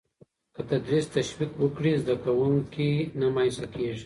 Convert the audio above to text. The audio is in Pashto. که تدریس تشویق وکړي، زده کوونکی نه مایوسه کېږي.